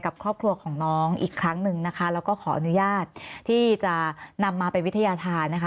ครอบครัวของน้องอีกครั้งหนึ่งนะคะแล้วก็ขออนุญาตที่จะนำมาเป็นวิทยาธารนะคะ